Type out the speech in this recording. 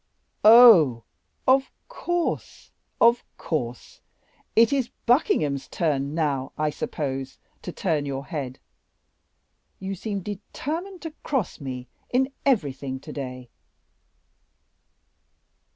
"Oh! of course, of course; it is Buckingham's turn now, I suppose, to turn your head. You seem determined to cross me in everything to day."